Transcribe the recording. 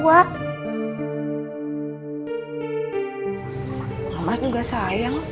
maksudnya kan mams juga bisa nganggep mams